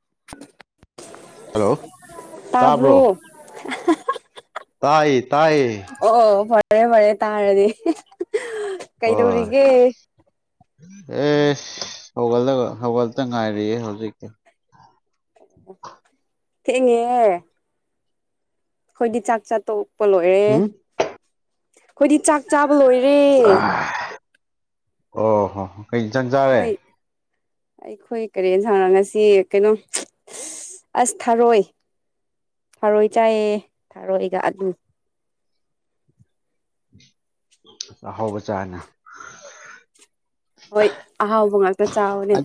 [inaudible] hello ꯇꯥꯕ꯭ꯔꯣ ꯇꯥꯏꯌꯦ ꯇꯥꯏꯌꯦ ꯑꯣ ꯐꯔꯦ ꯐꯔꯦ ꯇꯥꯔꯗꯤ ꯍꯣꯏ ꯀꯩꯗꯧꯔꯤꯒꯦ ꯑꯦꯁ ꯍꯧꯒꯠꯂꯒ ꯍꯧꯒꯠꯇ ꯉꯥꯏꯔꯤꯌꯦ ꯍꯧꯖꯤꯛ ꯊꯦꯡꯉꯤꯍꯦ ꯑꯩꯈꯣꯏꯗꯤ ꯆꯥꯛ ꯆꯥ ꯇꯣꯛꯄ ꯂꯣꯏꯔꯦ ꯎꯝ ꯑꯩꯈꯣꯏꯗꯤ ꯆꯥꯛ ꯆꯥꯕ ꯂꯣꯏꯔꯦ ꯑꯣ ꯍꯣ ꯀꯩ ꯏꯟꯁꯥꯡ ꯆꯥꯔꯦ ꯅꯣꯏ ꯑꯩꯈꯣꯏ ꯀꯔꯤ ꯏꯟꯁꯥꯡꯔ ꯉꯁꯤ ꯀꯩꯅꯣ ꯑꯁ ꯊꯔꯣꯏ ꯊꯔꯣꯏ ꯆꯥꯏꯌꯦ ꯊꯔꯣꯏꯒ ꯑꯂꯨ ꯑꯍꯥꯎꯕ ꯆꯥꯏꯅꯦ ꯍꯣꯏ ꯑꯍꯥꯎꯕ ꯉꯥꯛꯇ ꯆꯥꯕꯅꯦ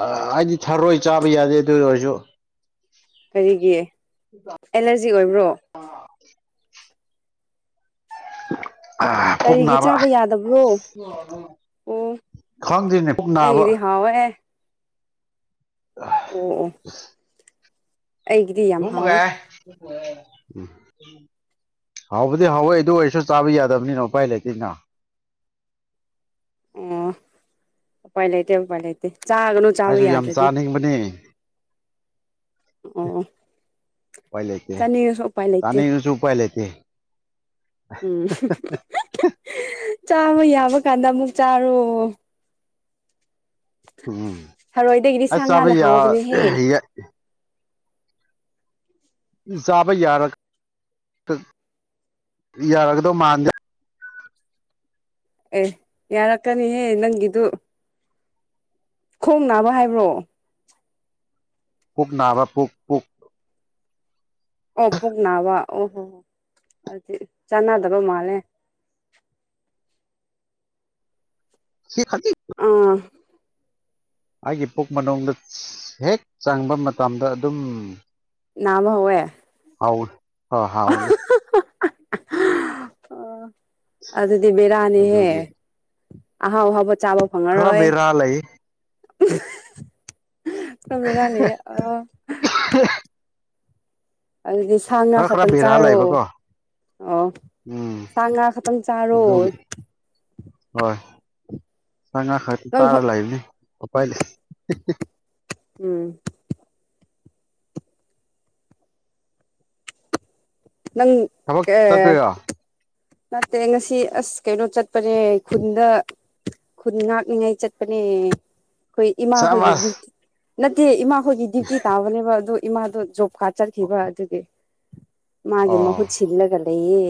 ꯑꯥ ꯑꯩꯗꯤ ꯊꯔꯣꯏ ꯆꯥꯕ ꯌꯥꯗꯦ ꯑꯗꯨ ꯑꯣꯏꯔꯁꯨ ꯀꯔꯤꯒꯤ ꯑꯦꯂꯔꯖꯤ ꯑꯣꯏꯕ꯭ꯔꯣ ꯎꯝ ꯑꯥ ꯈꯣꯡ ꯀꯔꯤꯒꯤ ꯅꯥꯕ ꯆꯥꯕ ꯌꯥꯗꯕ꯭ꯔꯣ ꯑꯣ ꯈꯪꯪꯗꯦꯅꯦ ꯄꯨꯛ ꯅꯥꯕ ꯑꯩꯒꯤꯗꯤ ꯍꯥꯎꯋꯦ ꯑꯣ ꯑꯣ ꯑꯩꯒꯤꯗꯤ ꯌꯥꯝ ꯍꯥꯎꯋꯦ ꯎꯝ ꯍꯥꯎꯕꯗꯤ ꯍꯥꯎꯋꯦ ꯑꯗꯨ ꯑꯣꯏꯔꯁꯨ ꯆꯥꯕ ꯌꯥꯗꯕꯅꯤꯅ ꯎꯄꯥꯏ ꯂꯩꯇꯦꯅ ꯑꯣ ꯎꯄꯥꯏ ꯂꯩꯥꯇꯦ ꯎꯄꯥꯏ ꯂꯩꯥꯇꯦ ꯆꯥꯒꯅꯨ ꯆꯥꯕ ꯑꯩꯁꯨ ꯌꯥꯝ ꯌꯥꯗ꯭ꯔꯗꯤ ꯆꯥꯅꯤꯡꯕꯅꯤ ꯑꯣ ꯎꯄꯥꯏ ꯂꯩꯇꯦ ꯆꯥꯅꯤꯡꯉꯁꯨ ꯎꯄꯥꯏ ꯂꯩꯇꯦ ꯆꯥꯅꯤꯡꯉꯁꯨ ꯎꯄꯥꯏ ꯂꯩꯇꯦ ꯎꯝ ꯆꯥꯕ ꯌꯥꯕ ꯀꯥꯟꯗ ꯑꯃꯨꯛ ꯆꯥꯔꯣ ꯎꯝ ꯊꯔꯣꯏꯗꯒꯤꯗꯤ ꯁꯥ ꯑꯁ ꯆꯥꯕ ꯉꯥꯅ ꯌꯥ ꯍꯥꯎꯕꯅꯦꯍꯦ ꯌꯦ ꯆꯥꯕ ꯌꯥꯔ ꯑ ꯌꯥꯔꯒꯗꯧꯃꯥꯟꯗꯦ ꯑꯦ ꯌꯥꯔꯛꯀꯅꯤꯍꯦ ꯅꯪꯒꯤꯗꯨ ꯈꯣꯡ ꯅꯥꯕ ꯍꯥꯏꯕ꯭ꯔꯣ ꯄꯨꯛ ꯅꯥꯕ ꯄꯨꯛ ꯄꯨꯛ ꯑꯣ ꯄꯨꯛ ꯅꯥꯕ ꯑꯣ ꯑꯗꯨꯗꯤ ꯆꯥꯟꯅꯗꯕ ꯃꯥꯜꯂꯦ [inaudible] ꯁꯤ ꯈꯇꯤ ꯑꯥ ꯑꯩꯒꯤ ꯄꯨꯛ ꯃꯅꯨꯡꯗ ꯍꯦꯛ ꯆꯪꯕ ꯃꯇꯝꯗ ꯑꯗꯨꯝ ꯅꯥꯕ ꯍꯧꯋꯦ ꯍꯥꯎꯋꯤ ꯑꯥ ꯍꯥꯎꯅꯤ ꯑꯗꯨꯗꯤ ꯕꯤꯔꯥꯅꯤꯍꯦ ꯑꯗꯨꯒꯤ ꯑꯍꯥꯎ ꯑꯍꯥꯎꯕ ꯆꯥꯕ ꯈꯔ ꯐꯪꯉꯔꯣꯏ ꯕꯦꯔꯥ ꯂꯩ ꯍꯥ ꯍꯥ ꯄꯣꯔꯥ ꯕꯤꯔꯥꯅꯤꯍꯦ ꯑꯣ ꯑꯗꯨꯗꯤ ꯁꯥ ꯉꯥ ꯈꯔ ꯈꯔ ꯈꯛꯇꯪ ꯕꯦꯔꯥ ꯆꯥꯔꯣ ꯂꯩꯕꯀꯣ ꯑꯣ ꯎꯝ ꯁꯥ ꯉꯥ ꯈꯛꯇꯪ ꯆꯥꯔꯣ ꯑꯗꯨꯒꯤ ꯍꯣꯏ ꯁꯥ ꯉꯥ ꯈꯛ ꯅꯪ ꯆꯥꯔꯥ ꯂꯩꯕꯅꯤ ꯎꯄꯥꯏ ꯂꯩ ꯍꯤꯍꯤ ꯎꯝ ꯅꯪ ꯊꯕꯛ ꯀ ꯆꯠꯇꯣꯏꯔꯣ ꯅꯠꯇꯦ ꯉꯁꯤ ꯑꯁ ꯀꯩꯅꯣ ꯆꯠꯄꯅꯦ ꯈꯨꯟꯗ ꯈꯨꯟ ꯉꯥꯛꯅꯤꯉꯥꯏ ꯆꯠꯄꯅꯦ ꯑꯩꯈꯣꯏ ꯏꯃꯥꯍꯣꯏꯒꯤ ꯁꯕꯥꯁ ꯗ꯭ꯌꯨꯇꯤ ꯅꯠꯇꯦ ꯏꯃꯥꯍꯣꯏꯒꯤ ꯗ꯭ꯌꯨꯇꯤ ꯇꯥꯕꯅꯦꯕ ꯑꯗꯣ ꯏꯃꯥꯗꯣ ꯖꯣ ꯀꯥ ꯆꯠꯈꯤꯕ ꯑꯗꯨꯒꯤ ꯃꯥꯒꯤ ꯑꯣ ꯃꯍꯨꯠ ꯁꯤꯜꯂꯒ ꯂꯩꯌꯦ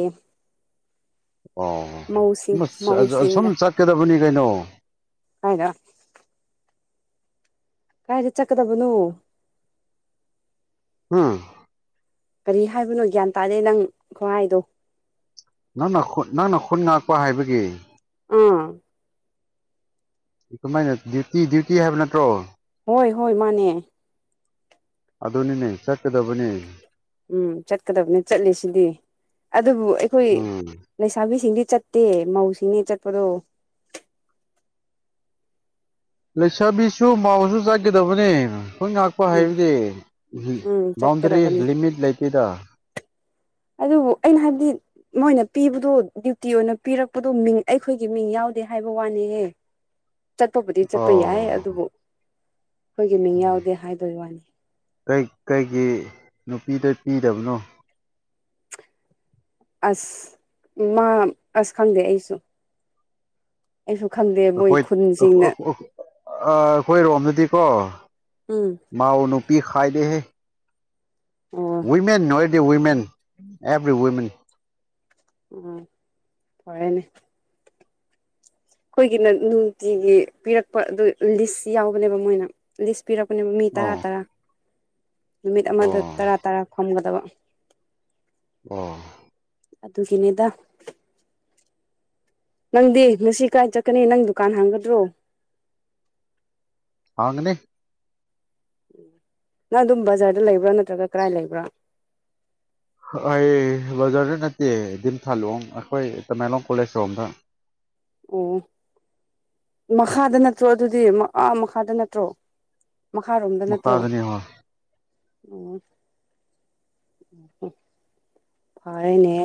ꯑꯣ ꯃꯧꯁꯤꯡ ꯑꯁ ꯑ ꯁꯨꯝ ꯃꯧꯁꯤꯡꯒ ꯆꯠꯀꯗꯕꯅꯤ ꯀꯩꯅꯣ ꯍꯥꯏꯅ ꯀꯥꯏꯗ ꯆꯠꯀꯗꯕ ꯅꯣ ꯍꯝ ꯀꯔꯤ ꯍꯥꯏꯕꯅꯣ ꯒ꯭ꯌꯥꯟ ꯇꯥꯗꯦ ꯅꯪ ꯈꯨꯨꯍꯥꯏꯗꯣ ꯅꯪꯅ ꯈꯠ ꯅꯪꯅ ꯈꯨꯟ ꯉꯥꯛꯄ ꯍꯥꯏꯕꯒꯤ ꯑꯥ ꯀꯃꯥꯏꯅ ꯗ꯭ꯌꯨꯇꯤ ꯗ꯭ꯌꯨꯇꯤ ꯍꯥꯏꯕ ꯅꯠꯇ꯭ꯔꯣ ꯍꯣꯏ ꯍꯣꯏ ꯃꯥꯅꯦ ꯑꯗꯨꯅꯤꯅꯦ ꯆꯠꯀꯗꯕꯅꯦ ꯎꯝ ꯆꯠꯀꯗꯕꯅꯦ ꯆꯠꯂꯤꯁꯤꯗꯤ ꯑꯗꯨꯕꯨ ꯑꯩꯈꯣꯏ ꯎꯝ ꯂꯩꯁꯥꯕꯤꯁꯤꯡꯗꯤ ꯆꯠꯇꯦ ꯃꯧꯁꯤꯡꯅꯦ ꯆꯠꯄꯗꯣ ꯂꯩꯁꯥꯕꯤꯁꯨ ꯃꯧꯎꯁꯨ ꯆꯠꯀꯗꯕꯅꯦ ꯈꯨꯟ ꯉꯥꯛꯄ ꯎꯝ ꯍꯥꯏꯕꯗꯤ ꯎꯝ ꯕꯥꯎꯟꯗꯔꯤ ꯆꯠꯀꯗꯕꯅꯤ ꯂꯤꯃꯤꯠ ꯂꯩꯇꯦꯗ ꯑꯗꯨꯕꯨ ꯑꯩꯅ ꯍꯥꯏꯕꯗꯤ ꯃꯣꯏꯅ ꯄꯤꯕꯗꯣ ꯗ꯭ꯌꯨꯇꯤ ꯑꯣꯏꯅ ꯄꯤꯔꯛꯄꯗꯣ ꯃꯤꯡ ꯑꯩꯈꯣꯏꯒꯤ ꯃꯤꯡ ꯌꯥꯎ ꯗꯦ ꯍꯥꯏꯕ ꯋꯥꯅꯤꯍꯦ ꯆꯠꯄꯕꯨꯗꯤ ꯆꯠꯄ ꯌꯥꯏ ꯑꯣ ꯑꯗꯨꯕꯨ ꯑꯩꯈꯣꯏꯒꯤ ꯃꯤꯡ ꯌꯥꯎꯗꯦ ꯍꯥꯏꯕꯒꯤ ꯋꯥꯅꯤ ꯩ ꯀꯩ ꯀꯩꯒꯤ ꯅꯨꯄꯤꯗ ꯄꯤꯗꯕꯅꯣ ꯑꯁ ꯏꯃꯥ ꯑꯁ ꯈꯪꯗꯦ ꯑꯩꯁꯨ ꯑꯩꯁꯨ ꯈꯪꯗꯦ ꯃꯣꯏ ꯑꯩꯈꯣꯏ ꯑꯧ ꯈꯨꯟꯁꯤꯡꯅ ꯑꯧ ꯑ ꯑꯩꯈꯣꯏ ꯔꯣꯝꯗꯗꯤꯀꯣ ꯎꯝ ꯃꯧꯎ ꯅꯨꯄꯤ ꯈꯥꯏꯗꯦꯍꯦ ꯑꯣ ꯋꯤꯃꯦꯟ ꯑꯣꯏꯗꯤ ꯋꯤꯃꯦꯟ ꯑꯦꯕ꯭ꯔꯤ ꯋꯨꯃꯦꯟ ꯎꯝ ꯐꯔꯦꯅꯦ ꯑꯩꯈꯣꯏꯒꯤꯅ ꯅꯨꯡꯇꯤꯒꯤ ꯄꯤꯔꯛꯄ ꯑꯗꯨ ꯂꯤꯁ ꯌꯥꯎꯕꯅꯦꯕ ꯃꯣꯏꯅ ꯂꯤꯁ ꯄꯤꯔꯛꯄꯅꯦꯕ ꯃꯤ ꯇꯔꯥ ꯑꯣ ꯇꯔꯥ ꯅꯨꯃꯤꯠ ꯑꯃꯗ ꯑꯣ ꯇꯔꯥ ꯇꯔꯥ ꯐꯝꯒꯗꯕ [inaudible] ꯑꯣ ꯑꯗꯨꯒꯤꯅꯤꯗ ꯅꯪꯗꯤ ꯉꯁꯤ ꯀꯗꯥꯥꯏ ꯆꯠꯀꯅꯤ ꯅꯪ ꯗꯨꯀꯥꯟ ꯍꯥꯡꯒꯗ꯭ꯔꯣ ꯍꯥꯡꯒꯅꯤ ꯅꯪ ꯑꯗꯨꯝ ꯕꯖꯥꯔꯗ ꯂꯩꯕ꯭ꯔꯥ ꯅꯠꯇ꯭ꯔꯒ ꯀꯗꯥꯥꯏ ꯂꯩꯕ꯭ꯔꯥ ꯑꯩ ꯕꯖꯔꯗ ꯅꯠꯇꯦ ꯗꯤꯝ ꯊꯥꯂꯣꯡ ꯑꯩꯈꯣꯏ ꯇꯃꯦꯡꯂꯣꯡ ꯀꯣꯂꯦꯖ ꯔꯣꯝꯗ ꯑꯣ ꯃꯈꯥꯗ ꯅꯠꯇ꯭ꯔꯣ ꯑꯗꯨꯗꯤ ꯑ ꯃꯈꯥꯗ ꯅꯠꯇ꯭ꯔꯣ ꯃꯈꯥꯔꯣꯝꯗ ꯅꯠꯇ꯭ꯔꯣ ꯃꯈꯥꯗꯅꯤ ꯍꯣꯏ ꯑꯣ ꯎ ꯐꯌꯦꯅꯦ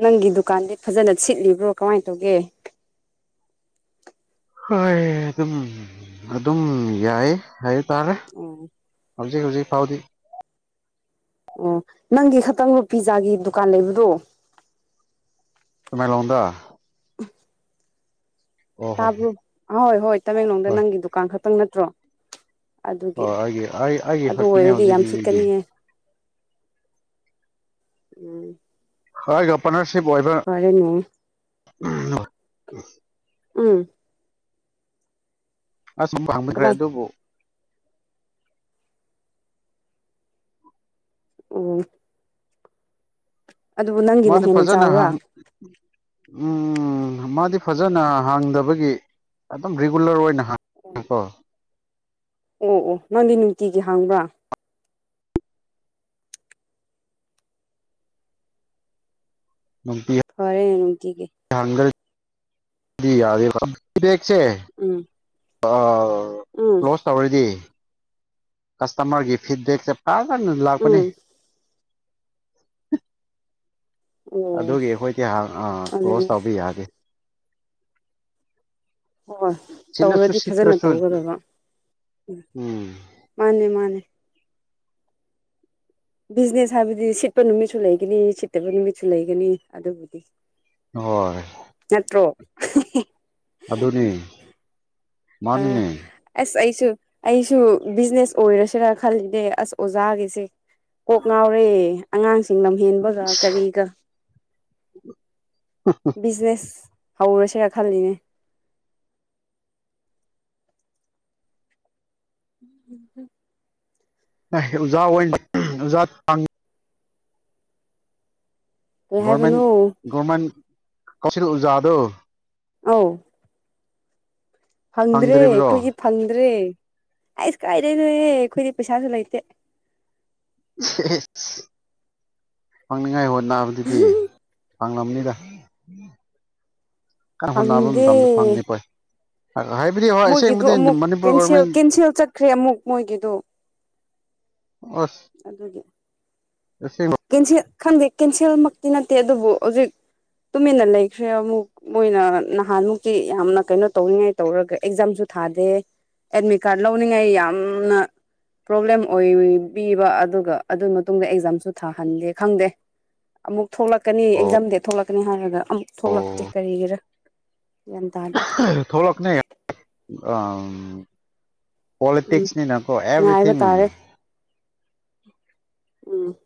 ꯅꯪꯒꯤ ꯗꯨꯀꯥꯟꯗꯤ ꯐꯖꯅ ꯁꯤꯠꯂꯤꯕ꯭ꯔꯣ ꯀꯃꯥꯏ ꯇꯧꯒꯦ ꯍꯣꯏ ꯑꯗꯨꯝ ꯑꯗꯨꯝ ꯌꯥꯏ ꯍꯥꯏ ꯇꯥꯔꯦ ꯑꯣ ꯍꯧꯖꯤꯛ ꯍꯧꯖꯤꯛ ꯐꯥꯎꯗꯤ ꯑꯣ ꯅꯪꯒꯤ ꯈꯛꯇꯪ ꯄꯤꯖꯥꯒꯤ ꯗꯨꯀꯥꯟ ꯂꯩꯕꯗꯣ ꯇꯥꯃꯦꯡꯂꯣꯝꯗ ꯇꯥꯕ꯭ꯔꯣ ꯑꯍꯣꯏ ꯍꯣꯏ ꯇꯃꯦꯡꯂꯣꯡꯗ ꯍꯣꯏ ꯅꯪꯒꯤ ꯗꯨꯀꯥꯟ ꯈꯛꯇꯪ ꯅꯠꯇ꯭ꯔꯣ ꯑꯗꯨꯗꯤ ꯍꯣꯏ ꯑꯩꯒꯤ ꯑꯩ ꯑꯩꯒꯤ ꯑꯗꯨ ꯈꯛꯇꯅꯦ ꯑꯣꯏꯔꯗꯤ ꯍꯧꯖꯤꯛ ꯌꯥꯝ ꯍꯧꯖꯤꯛꯀꯤ ꯁꯤꯠꯀꯅꯤꯌꯦ ꯎꯝ ꯍꯥꯏ ꯌꯄꯅꯔꯁ ꯐꯔꯦꯅꯦ ꯎꯝ ꯎꯝ ꯑꯁꯨꯝꯕ ꯍꯡꯅꯈ꯭ꯔꯦ ꯀꯗꯥꯏ ꯑꯗꯨꯕꯨ ꯑꯣ ꯑꯣ ꯑꯗꯨꯕꯨ ꯅꯪꯒꯤꯅ ꯃꯥꯗꯤ ꯍꯦꯟꯅ ꯐꯖꯅ ꯆꯥꯎꯕ꯭ꯔꯥ ꯍꯪ ꯎꯝ ꯃꯥꯗꯤ ꯐꯖꯅ ꯍꯥꯡꯗꯕꯒꯤ ꯑꯗꯨꯝ ꯔꯤꯒꯨꯂꯔ ꯑꯣꯏꯅ ꯑꯣ ꯍꯥꯡꯉꯀꯣ ꯑꯣ ꯑꯣ ꯅꯪꯗꯤ ꯅꯨꯡꯇꯤꯒꯤ ꯍꯥꯡꯕ꯭ꯔꯥ ꯐꯔꯦꯅꯦ ꯅꯨꯡꯇꯤꯒꯤ [unintelligible] ꯎꯝ ꯎꯝ ꯀ꯭ꯂꯣꯖ ꯇꯧꯔꯗꯤ ꯀ꯭ꯁꯇꯃꯔꯒꯤ ꯐꯤꯗꯕꯦꯛꯁꯦ ꯑꯥꯅ ꯂꯥꯛꯄꯅꯦ ꯎꯝ ꯑꯣ ꯑꯗꯨꯒꯤ ꯑꯩꯈꯣꯏꯗꯤ ꯍꯪ ꯑꯥ ꯀ꯭ꯂꯣꯁ ꯑꯗꯨꯅꯦ ꯇꯧꯕ ꯌꯥꯗꯦ ꯍꯣꯏ ꯁꯤꯠꯂꯁꯨ ꯇꯧꯔꯗꯤ ꯐꯖꯅ ꯁꯤꯠꯇ꯭ꯔꯁꯨ ꯇꯧꯒꯗꯕ ꯑꯥ ꯎꯝ ꯃꯥꯅꯦ ꯃꯥꯅꯦ ꯕꯤꯖꯤꯅꯦꯁ ꯍꯥꯏꯕꯗꯤ ꯁꯤꯠꯄ ꯅꯨꯃꯤꯠꯁꯨ ꯂꯩꯒꯅꯤ ꯁꯤꯠꯇꯕ ꯅꯨꯃꯤꯠꯁꯨ ꯂꯩꯒꯅꯤ ꯑꯗꯨꯕꯨꯗꯤ [unintelligible] [unintelligible] ꯑ ꯃꯅꯤꯅꯦ ꯑꯁ ꯑꯩꯁꯨ ꯑꯩꯁꯨ ꯕꯤꯖꯤꯅꯦꯁ ꯑꯣꯏꯔꯁꯤꯔꯥ ꯈꯜꯂꯤꯅꯦ ꯑꯁ ꯑꯣꯖꯥꯒꯤꯁꯦ ꯀꯣꯛ ꯉꯥꯎꯔꯦ ꯑꯉꯥꯡꯁꯤꯡ ꯂꯝꯍꯦꯟꯕꯒ ꯀꯔꯤꯒ ꯕꯤꯖꯤꯅꯦꯁ ꯍꯧꯔꯁꯦꯔ ꯈꯜꯂꯤꯅꯦ ꯎꯝ [unintelligible] [unintelligible] ꯀꯩ ꯒꯣꯔꯃꯦꯟ ꯍꯥꯏꯕꯅꯣ ꯒꯣꯔꯃꯦꯟ ꯀꯧꯁꯤꯜ ꯑꯣꯖꯥꯗꯣ ꯑꯎ ꯐꯪꯗ꯭ꯔꯦ ꯐꯪꯗ꯭ꯔꯤꯕ꯭ꯔꯣ ꯑꯩꯈꯣꯏꯒꯤ ꯐꯪꯗ꯭ꯔꯦ ꯑꯁ ꯀꯥꯏꯗꯩꯅꯦ ꯍꯦ ꯑꯩꯈꯣꯏꯗꯤ ꯄꯩꯁꯥꯁꯨ ꯂꯩꯏꯇꯦ ꯏꯍꯦ ꯍꯦ ꯐꯪꯅꯤꯡꯉꯥꯏ ꯍꯣꯠꯅꯕꯗꯨꯗꯤ ꯐꯪꯂꯝꯅꯤꯗ ꯀꯟꯪꯍꯣꯠꯅꯕ ꯐꯪꯗꯦ ꯃꯇꯝꯗ ꯐꯪꯈꯤꯗꯦ ꯍꯥꯏꯕꯗꯤ ꯍꯣꯏ ꯃꯣꯏꯒꯤꯗꯣ ꯁꯦꯡꯕꯗꯤ ꯑꯃꯨꯛ ꯃꯅꯤꯄꯨꯔ ꯀꯦꯟꯁꯦꯜ ꯒꯣꯔꯃꯦꯟ ꯀꯦꯟꯁꯦꯜ ꯆꯠꯈ꯭ꯔꯦ ꯑꯃꯨꯛ ꯃꯣꯏꯒꯤꯗꯣ ꯑꯣ ꯑꯗꯨꯒꯤ ꯀꯦꯟꯁꯦꯜ ꯈꯪꯗꯦ ꯀꯦꯟꯁꯦꯜꯃꯛꯇꯤ ꯅꯠꯇꯦ ꯑꯗꯨꯕꯨ ꯍꯧꯖꯤꯛ ꯇꯨꯃꯤꯟꯅ ꯂꯩꯈ꯭ꯔꯦ ꯑꯃꯨꯛ ꯃꯣꯏꯅ ꯅꯍꯥꯟꯃꯨꯛꯇꯤ ꯌꯥꯝꯅ ꯀꯩꯅꯣ ꯇꯧꯅꯤꯡꯉꯥꯏ ꯇꯧꯔꯒ ꯑꯦꯛꯖꯥꯝꯁꯨ ꯊꯥꯗꯦ ꯑꯦꯗꯃꯤꯠ ꯀꯥꯔꯗ ꯂꯧꯅꯤꯡꯉꯥꯏ ꯌꯥꯝꯅ ꯄ꯭ꯔꯣꯕ꯭ꯂꯦꯝ ꯑꯣꯏ ꯄꯤꯕ ꯑꯗꯨꯒ ꯑꯗꯨꯏ ꯃꯇꯨꯡꯗ ꯑꯦꯛꯖꯥꯝꯁꯨ ꯊꯥꯍꯟꯂꯦ ꯈꯪꯗꯦ ꯑꯃꯨꯛ ꯊꯣꯛꯂꯛꯀꯅꯤ ꯑꯣ ꯑꯦꯛꯖꯥꯝ ꯗꯦꯠ ꯊꯣꯛꯂꯛꯀꯅꯤ ꯍꯥꯏꯔꯒ ꯑꯃꯨꯛ ꯊꯣꯛꯂꯛꯇꯦ ꯀꯔꯤꯒꯤꯔꯥ ꯊꯣꯛꯂꯛꯀꯅꯤ ꯑꯥꯝ ꯎꯝ ꯄꯣꯂꯤꯇꯤꯛꯁꯅꯤꯅ ꯀꯣ ꯉꯥꯏꯕ ꯑꯦꯚ꯭ꯔꯤꯊꯤꯡ ꯇꯥꯔꯦ ꯎꯝ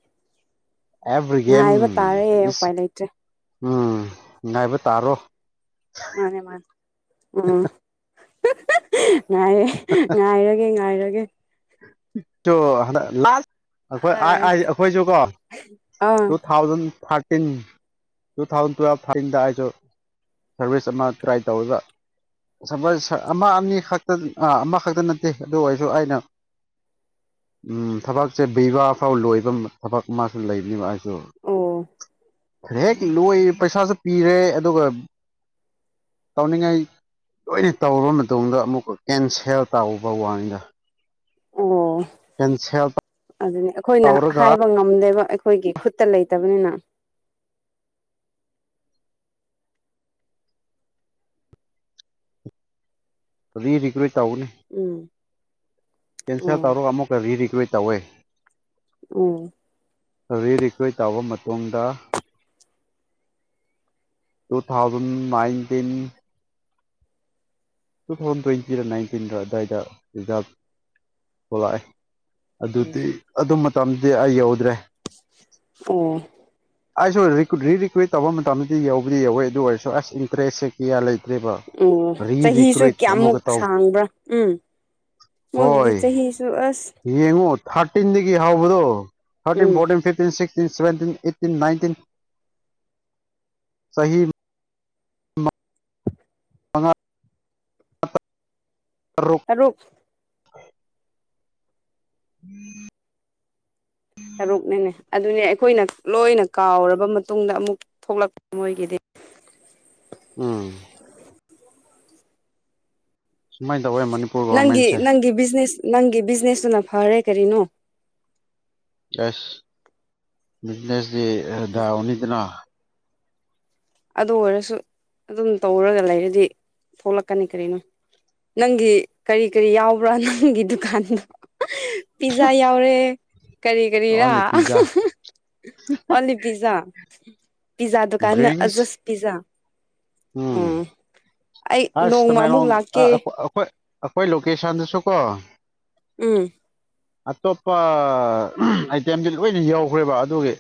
ꯑꯦꯚ꯭ꯔꯤꯒꯦꯝ ꯉꯥꯏꯕ ꯇꯥꯔꯦ ꯏꯁ ꯎꯄꯥꯏ ꯂꯩꯇ꯭ꯔꯦ ꯎꯝ ꯉꯥꯏꯕ ꯇꯥꯔꯣ ꯃꯥꯅꯦ ꯃꯥꯅꯦ ꯎꯝ ꯍꯦ ꯍꯦ ꯍꯦ ꯉꯥꯏꯔꯦ ꯉꯥꯏꯔꯒꯦ ꯉꯥꯏꯔꯒꯦ ꯍꯟꯗꯛ ꯂꯥꯜ ꯑꯩꯈꯣꯏ ꯑꯥꯏ ꯑꯥ ꯑꯥꯏ ꯑꯩꯈꯣꯏꯖꯨꯀꯣ ꯑꯣ ꯇꯨ ꯊꯥꯎꯖꯟ ꯊꯥ꯭ꯔꯠ ꯇꯤꯟ ꯇꯨꯊꯥꯎꯖꯟ ꯇꯨꯌꯦꯜꯞ ꯊꯥꯔꯇꯤꯟꯗ ꯑꯩꯁꯨ ꯁꯥꯔꯚꯤꯁ ꯑꯃ ꯇ꯭ꯔꯥꯏ ꯇꯧꯑꯦꯕ ꯁꯥꯔꯕꯤꯁ ꯑꯃ ꯑꯅꯤ ꯈꯛꯇ ꯑꯃꯈꯛꯇ ꯅꯠꯇꯦ ꯑꯗꯨ ꯑꯣꯏꯔꯁꯨ ꯑꯩꯅ ꯎꯝ ꯊꯕꯛꯁꯦ ꯄꯤꯕꯥ ꯐꯥꯎ ꯂꯣꯏꯕ ꯑꯝ ꯊꯕꯛ ꯑꯃꯁꯨ ꯂꯩꯕꯅꯦꯕ ꯑꯩ ꯑꯣ ꯍꯦꯛ ꯂꯣꯏ ꯄꯩꯁꯥꯁꯨ ꯄꯤꯔꯦ ꯑꯗꯨꯒ ꯇꯧꯅꯤꯡꯉꯥꯏ ꯂꯣꯏꯅ ꯇꯧꯔꯕ ꯃꯇꯨꯡꯗ ꯑꯃꯨꯛꯀ ꯀꯦꯟꯁꯦꯜ ꯇꯧꯕ ꯋꯥꯅꯤꯗ ꯑꯣ ꯀꯦꯟꯁꯦꯜ ꯑꯗꯨꯅꯤ ꯑꯩꯈꯣꯏꯅ ꯇꯧꯔꯒ ꯍꯥꯏꯕ ꯉꯝꯗꯦꯕ ꯑꯩꯈꯣꯏꯒꯤ ꯈꯨꯠꯇ ꯂꯩꯇꯕꯅꯤꯅ ꯔꯤ ꯔꯤꯀꯨ꯭ꯔꯋꯦꯠ ꯇꯧꯒꯅꯤ ꯎꯝ ꯀꯦꯟꯁꯦꯜ ꯑꯣ ꯇꯧꯔꯒ ꯑꯃꯨꯛꯀ ꯔꯤꯔꯤꯒ꯭ꯔꯦꯠ ꯇꯧꯋꯦ ꯎꯝ ꯔꯤ ꯔꯤꯒ꯭ꯔꯦꯠ ꯇꯧꯕ ꯃꯇꯨꯡꯗ two thousand nineteen two thousand twenty ꯔ ꯅꯥꯏꯟꯇꯤꯟꯗ꯭ꯔꯥ ꯑꯗꯨꯋꯥꯏꯗ ꯑꯦꯛꯖꯥꯝ ꯊꯣꯛꯂꯛꯑꯦ ꯑꯗꯨꯗꯤ ꯑꯗꯨ ꯃꯇꯝꯗꯤ ꯑꯩ ꯌꯧꯗ꯭ꯔꯦ ꯑꯣ ꯑꯩꯁꯨ ꯔꯤꯀ꯭ꯌꯨꯠ ꯔꯤꯀ꯭ꯌꯨꯠ ꯇꯧꯕ ꯃꯇꯝꯗꯗꯤ ꯌꯧꯕꯗꯤ ꯌꯧꯋꯦ ꯑꯗꯨ ꯑꯣꯏꯔꯁꯨ ꯑꯁ ꯏꯟꯇ꯭ꯔꯦꯁꯁꯦ ꯀꯌꯥ ꯂꯩꯇꯦ ꯇꯦꯕ ꯑꯣ ꯑꯗꯩꯒꯤꯗꯤ ꯆꯍꯤꯁꯨ ꯀ꯭ꯔꯨꯏꯠ ꯀꯌꯥꯃꯨꯛ ꯑꯃꯨꯛꯀꯇꯧ ꯁꯥꯡꯕ꯭ꯔꯥ ꯎꯝ ꯃꯣꯏꯒꯤꯗꯤ ꯍꯣꯏ ꯆꯍꯤꯁꯨ ꯑꯁ ꯌꯦꯡꯉꯣ ꯊꯥꯔꯇꯤꯟꯗꯒꯤ ꯍꯧꯕꯗꯣ thirteen um fourteen fifteen sixteen seventeen eighteen nineteen ꯆꯍꯤ ꯃꯉꯥ ꯇꯔꯨꯛ [inaudible] [inaudible] ꯇꯔꯨꯛꯅꯤꯅꯦ ꯑꯗꯨꯅꯦ ꯑꯩꯈꯣꯏꯅ ꯂꯣꯏꯅ ꯀꯥꯎꯔꯕ ꯃꯇꯨꯡꯗ ꯑꯃꯨꯛ ꯊꯣꯛꯂꯛꯄ ꯃꯣꯏꯒꯤꯗꯤ [inaudible] ꯎꯝ ꯁꯨꯃꯥꯏꯅ ꯇꯧꯋꯦ ꯃꯅꯤꯄꯨꯔ ꯅꯪꯒꯤ ꯒꯣꯔꯃꯦꯟꯁꯦ ꯅꯪꯒꯤ ꯕꯤꯖꯤꯅꯦꯁ ꯅꯪꯒꯤ ꯕꯤꯖꯤꯅꯦꯁꯇꯨꯅ ꯐꯔꯦ ꯀꯔꯤꯅꯣ ꯑꯦꯁ ꯕꯤꯖꯤꯅꯦꯁꯇꯤ ꯑ ꯐꯖ ꯗꯥꯎꯅꯤꯗꯅ ꯑꯗꯨ ꯑꯣꯏꯔꯁꯨ ꯑꯗꯨꯝ ꯇꯧꯔꯒ ꯂꯩꯔꯗꯤ ꯊꯣꯛꯂꯛꯀꯅꯤ ꯀꯔꯤꯅꯣ ꯅꯪꯒꯤ ꯀꯔꯤ ꯀꯔꯤ ꯌꯥꯎꯕ꯭ꯔꯥ ꯅꯪꯒꯤ ꯗꯨꯀꯥꯟꯗꯣ ꯑ ꯄꯤꯖꯥ ꯌꯥꯎꯔꯦ ꯀꯔꯤ ꯀꯔꯤꯔꯥ ꯑꯣꯟꯂꯤ ꯄꯤꯖꯥ ꯑꯣꯂꯤ ꯄꯤꯖꯥ ꯄꯤꯖꯥ ꯗꯨꯀꯥꯟꯅ ꯗ꯭ꯔꯤꯡꯁ ꯑꯖꯁꯄꯤꯖꯥ ꯎꯝ ꯑꯩ ꯑꯁ ꯅꯣꯡꯃ ꯑꯃꯨꯛ ꯇꯃꯦꯂꯣꯡ ꯑ ꯂꯥꯛꯀꯦ ꯑꯩꯈꯣꯏ ꯑꯩꯈꯣꯏ ꯑꯩꯈꯣꯏ ꯂꯣꯀꯦꯁꯟꯗꯨꯁꯨ ꯀꯣ ꯎꯝ ꯑꯇꯣꯞꯄ ꯑꯥꯏꯇꯦꯝꯗꯤ ꯂꯣꯏꯅ ꯌꯧꯈ꯭ꯔꯦꯕ ꯑꯗꯨꯒꯤ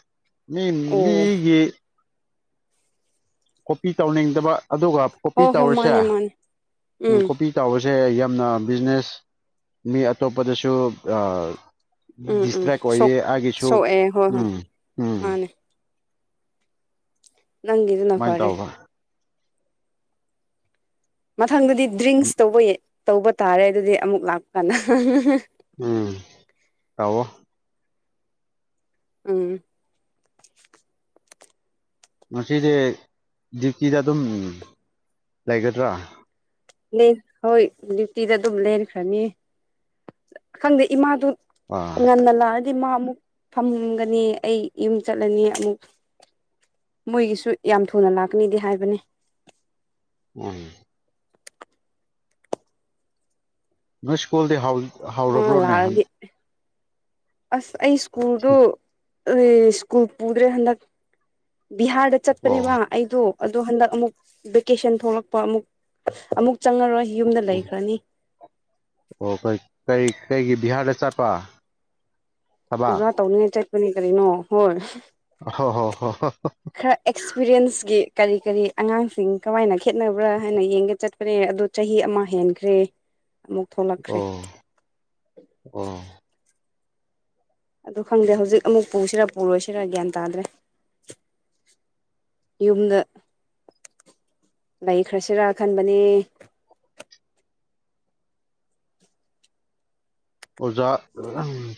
ꯃꯤ ꯑꯣ ꯃꯤꯒꯤ ꯀꯣꯄꯤ ꯇꯧꯅꯤꯡꯗꯕ ꯑꯗꯨꯒ ꯀꯣꯄꯤ ꯍꯣꯏ ꯍꯣꯏ ꯇꯧꯔꯤꯁꯦ ꯃꯥꯅꯦ ꯃꯥꯅꯦ ꯎꯝ ꯀꯣꯄꯤ ꯇꯧꯋꯤ ꯁꯦ ꯌꯥꯝꯅ ꯕꯤꯖꯤꯅꯦꯁ ꯃꯤ ꯑꯇꯣꯞꯄꯗꯁꯨ ꯑ ꯎꯝ ꯎꯝ ꯗꯤꯁꯇꯔꯦꯛ ꯁꯣꯛ ꯑꯣꯏꯌꯦ ꯑꯒꯤꯁꯨ ꯁꯣꯛꯑꯦ ꯍꯣꯏ ꯎꯝ ꯍꯣꯏ ꯎꯝ ꯃꯥꯅꯦ ꯅꯪꯒꯤꯗꯨꯅ ꯁꯨꯃꯥꯏꯅ ꯐꯔꯦ ꯇꯧꯕ ꯃꯊꯪꯗꯗꯤ ꯗ꯭ꯔꯤꯡꯁ ꯇꯧꯕ ꯇꯧꯕ ꯇꯥꯔꯦ ꯑꯗꯨꯗꯤ ꯑꯃꯨꯛ ꯂꯥꯛꯄ ꯀꯥꯟꯗ ꯎꯝ ꯇꯥꯎꯋꯣ ꯎꯝ ꯉꯁꯤꯗꯤ ꯗꯤꯌꯨꯇꯤꯗ ꯑꯗꯨꯝ ꯂꯩꯒꯗ꯭ꯔꯥ ꯍꯣꯏ ꯗ꯭ꯌꯨꯇꯤꯗ ꯑꯗꯨꯝ ꯂꯦꯟꯈ꯭ꯔꯅꯤ ꯈꯪꯗꯦ ꯏꯃꯥꯗꯨ ꯑꯥ ꯀꯣꯟꯅ ꯂꯛ ꯃꯥ ꯑꯃꯨꯛ ꯐꯝꯒꯅꯤ ꯑꯩ ꯌꯨꯝ ꯆꯠꯂꯅꯤ ꯑꯃꯨꯛ ꯃꯣꯏꯒꯤꯁꯨ ꯌꯥꯝ ꯊꯨꯅ ꯂꯥꯛꯀꯅꯤꯗꯤ ꯍꯥꯏꯕꯅꯦ ꯃꯅꯦ ꯅꯣꯏ ꯁ꯭ꯀꯨꯜꯗꯤ ꯍꯧꯥ ꯃꯥ ꯍꯧꯔꯕ꯭ꯔꯣꯅꯦ ꯍꯟ ꯂꯥꯛꯑꯗꯤ ꯑꯁ ꯑꯩ ꯁ꯭ꯀꯨꯜꯗꯣ ꯁ꯭ꯀꯨꯜ ꯄꯨꯗ꯭ꯔꯦ ꯍꯟꯗꯛ ꯕꯤꯍꯥꯔꯗ ꯑꯣ ꯆꯠꯄꯅꯦꯕ ꯑꯩꯗꯣ ꯑꯗꯣ ꯍꯟꯗꯛ ꯑꯃꯨꯛ ꯚꯦꯀꯦꯁꯟ ꯊꯣꯛꯂꯛꯄ ꯑꯃꯨꯛ ꯑꯃꯨꯛ ꯆꯪꯉꯔꯣꯏ ꯌꯨꯝꯗ ꯂꯩꯈ꯭ꯔꯅꯤ ꯑꯣ ꯀꯩ ꯀꯩ ꯀꯩꯒꯤ ꯕꯤꯍꯥꯔꯗ ꯆꯠꯄ ꯊꯕꯛ ꯑꯣꯖꯥ ꯇꯧꯅꯤꯡꯉꯥꯏ ꯆꯠꯄꯅꯤ ꯀꯔꯤꯅꯣ ꯍꯣꯏ ꯍꯣ ꯍꯣ ꯍꯣ ꯍꯣ ꯈꯔ ꯑꯦꯛꯁꯄꯤꯔꯤꯌꯦꯟꯁꯒꯤ ꯀꯔꯤ ꯀꯔꯤ ꯑꯉꯥꯡꯁꯤꯡ ꯀꯃꯥꯏꯅ ꯈꯦꯠꯅꯕ꯭ꯔꯥ ꯍꯥꯏꯅ ꯌꯦꯡꯒꯦ ꯆꯠꯄꯅꯦ ꯑꯗꯣ ꯆꯍꯤ ꯑꯃ ꯍꯦꯟꯈ꯭ꯔꯦ ꯑꯃꯨꯛ ꯊꯣꯛꯂꯛꯈ꯭ꯔꯦ ꯑꯣ ꯑꯣ ꯑꯗꯨ ꯈꯪꯗꯦ ꯍꯧꯖꯤꯛ ꯑꯃꯨꯛ ꯄꯨꯁꯤꯔꯥ ꯄꯨꯔꯣꯏꯁꯤꯔꯥ ꯒ꯭ꯌꯥꯟ ꯇꯥꯗ꯭ꯔꯦ ꯌꯨꯝꯗ ꯂꯩꯥꯈ꯭ꯔꯁꯤꯔ ꯈꯟꯕꯅꯦ ꯑꯣꯖꯥ [unintelligible]